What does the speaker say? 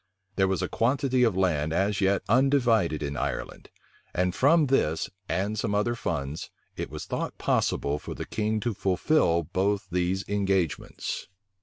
There was a quantity of land as yet undivided in Ireland; and from this and some other funds, it was thought possible for the king to fulfil both these engagements.